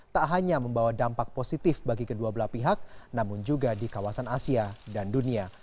tak hanya membawa dampak positif bagi kedua belah pihak namun juga di kawasan asia dan dunia